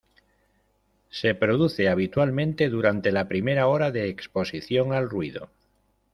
Se produce habitualmente durante la primera hora de exposición al ruido.